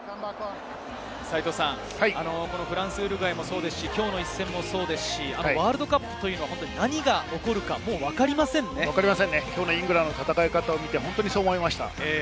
フランス、ウルグアイもそうですし、きょうの一戦もそうですし、ワールドカップは何が起きょうのイングランドとの戦い方を見て、本当にそう思いました。